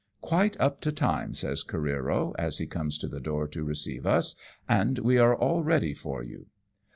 " Quite up to time," says Careero, as he comes to the door to receive us, " and we are all ready for you."